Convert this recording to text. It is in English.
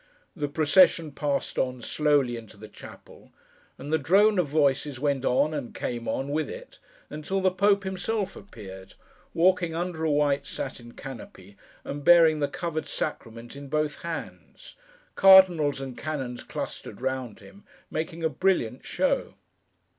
The procession passed on, slowly, into the chapel, and the drone of voices went on, and came on, with it, until the Pope himself appeared, walking under a white satin canopy, and bearing the covered Sacrament in both hands; cardinals and canons clustered round him, making a brilliant show.